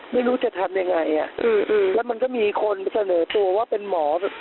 ไม่รู้จะทำยังไงอ่ะอืมแล้วมันก็มีคนเสนอตัวว่าเป็นหมอแบบ